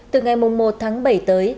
từ ngày một tháng bảy tới